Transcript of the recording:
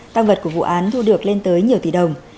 tăng vật của vụ án thu được lên tới nhiều tỷ đồng